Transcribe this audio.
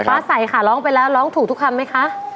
ฟ้าใสค่ะร้องไปแล้วร้องถูกทุกคำไหมคะ